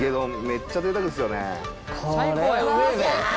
めっちゃ贅沢ですよね。